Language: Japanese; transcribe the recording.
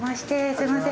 すいません